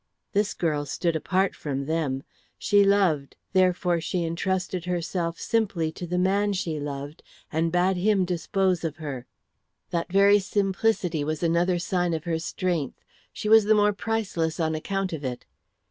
This girl stood apart from them. She loved, therefore she entrusted herself simply to the man she loved, and bade him dispose of her. That very simplicity was another sign of her strength. She was the more priceless on account of it.